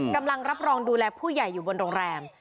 กำลังรับรองดูแลผู้ใหญ่อยู่บนโรงแรม